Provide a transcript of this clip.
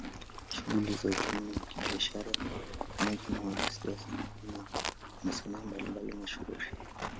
Shughuli za uchumi na kibiashara pamoja na wanasiasa na wanasanaa mbalimbali mashuhuri